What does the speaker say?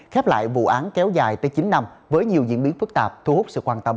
khép lại vụ án kéo dài tới chín năm với nhiều diễn biến phức tạp thu hút sự quan tâm